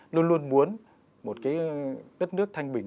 luôn luôn muốn một cái đất nước thanh bình